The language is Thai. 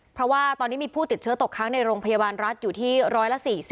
เพราะว่าตอนนี้มีผู้ติดเชื้อตกค้างในโรงพยาบาลรัฐอยู่ที่๑๔๐